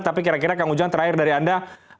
tapi kira kira kang ujang terakhir dari anda